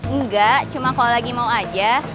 enggak cuma kalau lagi mau aja